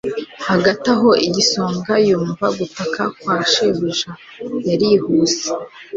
hagati aho igisonga, yumva gutaka kwa shebuja, yarihuse